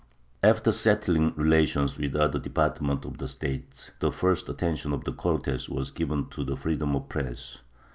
^ After settling relations with the other departments of the State, the first attention of the Cortes was given to the freedom of the press.